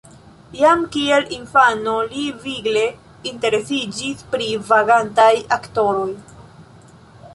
Jam kiel infano li vigle interesiĝis pri vagantaj aktoroj.